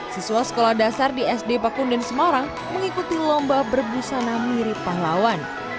siswa sekolah dasar di sd pakunden semarang mengikuti lomba berbusana mirip pahlawan